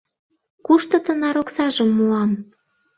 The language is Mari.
Кушто тынар оксажым муам?!